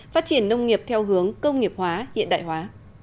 phát triển nông nghiệp theo hướng công nghiệp hóa hiện đại hóa